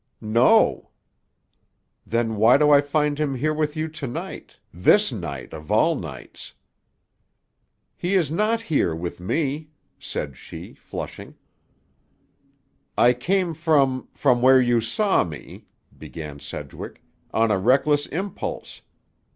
"No." "Then why do I find him here with you to night: this night of all nights?" "He is not here with me," said she, flushing. "I came from—from where you saw me," began Sedgwick, "on a reckless impulse.